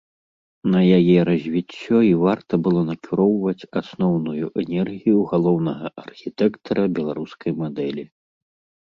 На яе развіццё і варта было накіроўваць асноўную энергію галоўнага архітэктара беларускай мадэлі.